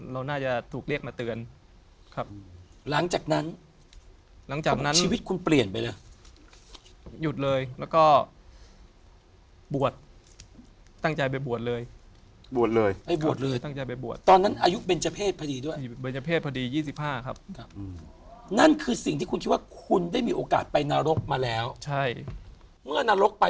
เรื่องราวของเขาเนี่ยยิ่งต้องบอกว่าไม่เชื่ออย่าลบหลู่